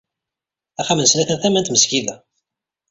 Axxam-nsen atan tama n tmesgida.